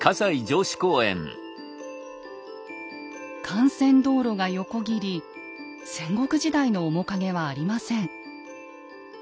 幹線道路が横切り戦国時代の面影はありません。